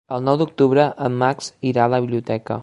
El nou d'octubre en Max irà a la biblioteca.